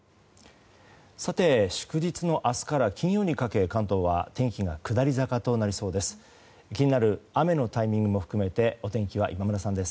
祝日の明日から金曜にかけ関東は天気が下り坂となりそうです。